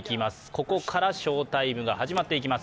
ここから翔タイムが始まっていきます。